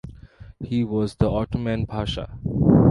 He was the Ottoman Pasha.